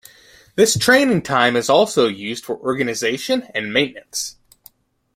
This training time is also used for organisation and maintenance.